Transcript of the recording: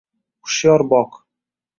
hushyor boq